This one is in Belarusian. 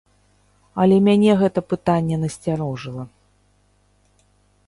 Але мяне гэта пытанне насцярожыла.